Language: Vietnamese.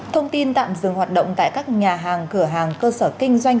thông tin tạm dừng hoạt động tại các nhà hàng cửa hàng cơ sở kinh doanh